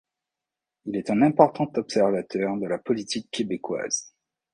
Il est un important observateur de la politique québécoise.